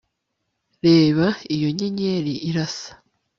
reba iyo nyenyeri irasa